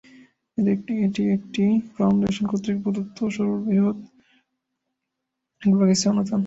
এটি ছিল একটি ফাউন্ডেশন কর্তৃক প্রদত্ত সর্ববৃহৎ এডভোকেসি অনুদান।